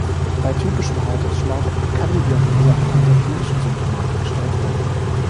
Bei typischem Hautausschlag kann die Diagnose anhand der klinischen Symptomatik gestellt werden.